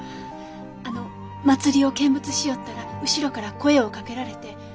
あの祭りを見物しよったら後ろから声をかけられて。